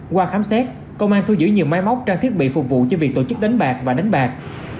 qua khám xét công an thu giữ nhiều máy móc trang thiết bị phục vụ cho việc tổ chức đánh bạc và đánh bạc